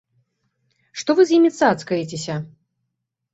Што вы з імі цацкаецеся?